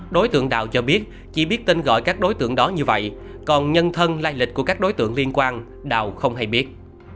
đối tượng đào cho biết chỉ biết tên gọi các đối tượng đó như vậy còn nhân thân lai lịch của các đối tượng liên quan đào không hề biết